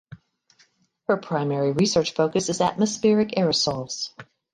Her primary research focus is atmospheric aerosols.